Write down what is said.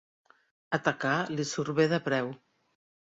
Atacar li surt bé de preu.